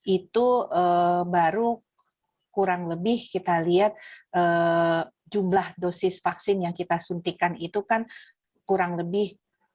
itu baru kurang lebih kita lihat jumlah dosis vaksin yang kita suntikan itu kan kurang lebih